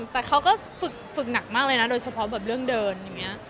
แต่เขาก็ฝึกหนักมากเลยนะโดยเฉพาะแบบเรื่องเดินอย่างนี้